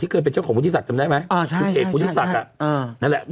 ที่เกิดเป็นเจ้าของวุฒิศักดิ์ที่มีนะกันไหม